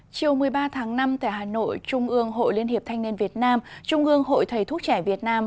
chiều một mươi ba tháng năm tại hà nội trung ương hội liên hiệp thanh niên việt nam trung ương hội thầy thuốc trẻ việt nam